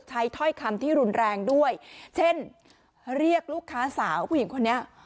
ถ้อยคำที่รุนแรงด้วยเช่นเรียกลูกค้าสาวผู้หญิงคนนี้